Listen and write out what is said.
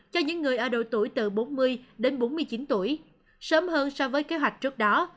cho những người ở độ tuổi từ bốn mươi đến bốn mươi chín tuổi sớm hơn so với kế hoạch trước đó